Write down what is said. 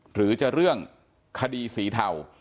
หรือจะเรื่องคดีสีเทา